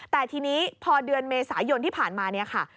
แต่ทีนี้พอเดือนเมษายนที่ผ่านมาเนี่ยค่ะ